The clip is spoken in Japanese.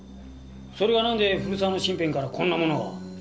それがなんで古沢の身辺からこんなものが？